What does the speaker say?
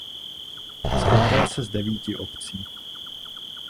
Skládal se z devíti obcí.